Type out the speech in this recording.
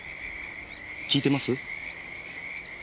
聞いてます？